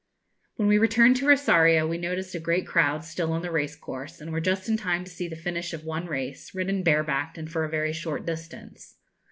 When we returned to Rosario we noticed a great crowd still on the race course, and were just in time to see the finish of one race, ridden barebacked, and for a very short distance.